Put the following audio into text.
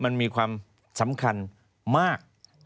มันมีความสำคัญมาก